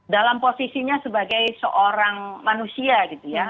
dalam posisinya sebagai seorang manusia gitu ya